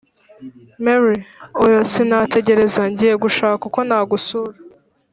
mary : oya, sinategereza ngiye gushaka uko nagusura